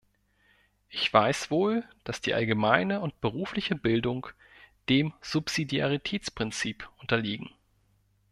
Ich weiß wohl, dass die allgemeine und berufliche Bildung dem Subsidiaritätsprinzip unterliegen.